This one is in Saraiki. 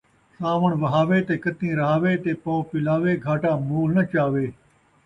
ساوݨ وہاوے تے کتّیں رہاوے تے پو پلاوے ، گھاٹا مول ناں چاوے